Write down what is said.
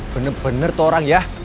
bener bener torang ya